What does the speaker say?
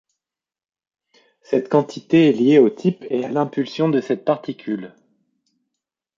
Cette quantité est liée au type et à l’impulsion de cette particule.